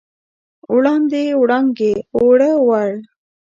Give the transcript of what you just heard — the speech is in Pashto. وړاندې، وړانګې، اووړه، وړ